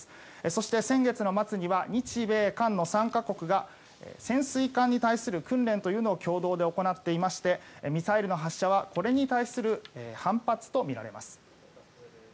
そして先月の末には日米韓の３か国が潜水艦に対する訓練というのを共同で行っていましてミサイルの発射はこれに対する反発とみられます。